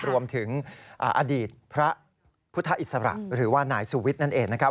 รวมถึงอดีตพระพุทธอิสระหรือว่านายสุวิทย์นั่นเองนะครับ